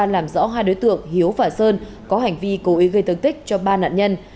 làm rõ hai đối tượng hiếu và sơn có hành vi cố ý gây thương tích cho ba nạn nhân